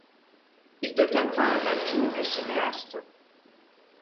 Il deviendra un intime du cinéaste.